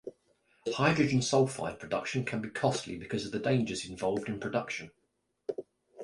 Hydrogen sulfide production can be costly because of the dangers involved in production.